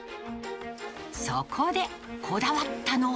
そこで、こだわったのは。